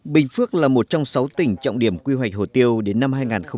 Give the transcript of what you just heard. bình phước là một trong sáu tỉnh trọng điểm quy hoạch hồ tiêu đến năm hai nghìn ba mươi